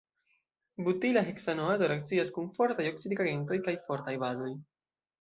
Butila heksanoato reakcias kun fortaj oksidigagentoj kaj fortaj bazoj.